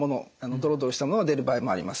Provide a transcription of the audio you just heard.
ドロドロしたものが出る場合もあります。